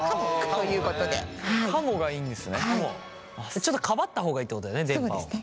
ちょっとかばった方がいいってことだよね電波を。